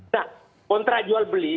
nah kontrak jual beli